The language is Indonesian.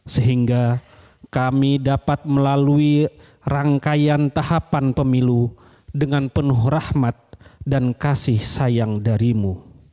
sehingga kami dapat melalui rangkaian tahapan pemilu dengan penuh rahmat dan kasih sayang darimu